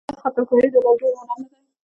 آیا خاتم کاري د لرګیو هنر نه دی؟